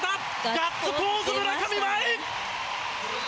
ガッツポーズ、村上茉愛！